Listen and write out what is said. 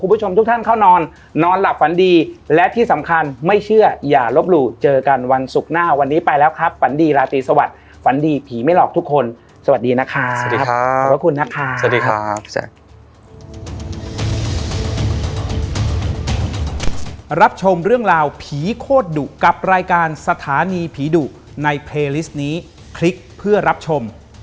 ปกติเราคุยเรื่องผีอย่างเดียวเลยนะได้จริงใช่ไหม